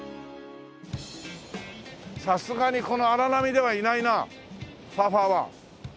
さすがにこの荒波ではいないなサーファーは。